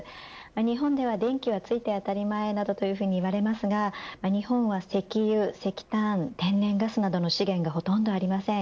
日本では電気はついて当たり前などと言われますが日本は石油、石炭天然ガスなどの資源がほとんどありません。